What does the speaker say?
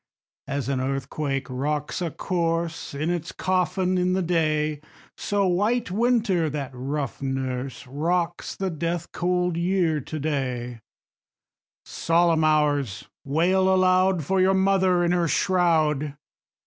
2. As an earthquake rocks a corse In its coffin in the clay, So White Winter, that rough nurse, Rocks the death cold Year to day; _10 Solemn Hours! wail aloud For your mother in her shroud.